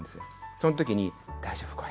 そのときに「大丈夫、悟平」